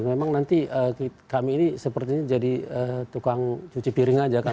memang nanti kami ini sepertinya jadi tukang cuci piring aja kan